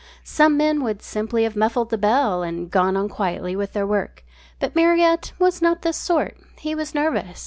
Some men would simply have muffled the bell and gone on quietly with their work. But Marriott was not this sort. He was nervous.